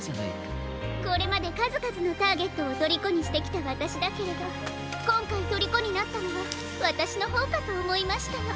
これまでかずかずのターゲットをとりこにしてきたわたしだけれどこんかいとりこになったのはわたしのほうかとおもいましたの。